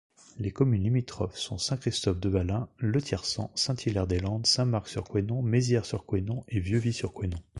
Les communes limitrophes sont Saint-Christophe-de-Valains, Le Tiercent, Saint-Hilaire-des-Landes, Saint-Marc-sur-Couesnon, Mézières-sur-Couesnon et Vieux-Vy-sur-Couesnon.